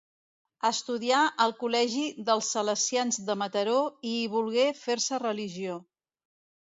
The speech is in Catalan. Estudià al col·legi dels salesians de Mataró i hi volgué fer-se religió.